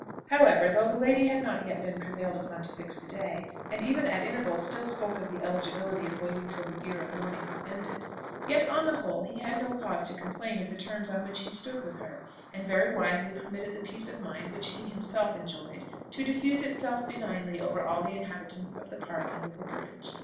However, though the lady had not yet been prevailed upon to fix the day, and even at intervals still spoke of the eligibility of waiting till the year of mourning was ended, yet on the whole he had no cause to complain of the terms on which he stood with her, and very wisely permitted the peace of mind which he himself enjoyed to diffuse itself benignly over all the inhabitants of the Park and the Vicarage.